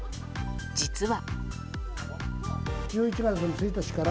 実は。